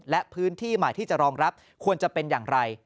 และพื้นที่ใหม่ที่จะรองรับควรจะเป็นอย่างไร